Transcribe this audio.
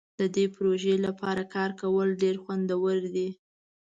د دې پروژې لپاره کار کول ډیر خوندور دي.